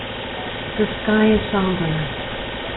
The sky is somber.